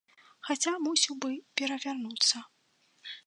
Хаця мусіў бы перавярнуцца.